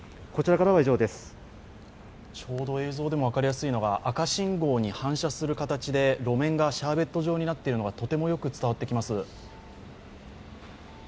ちょうど映像でも分かりやすいのが、赤信号でに反射する形で路面がシャーベット状になっているのが、とてもよく伝わってきます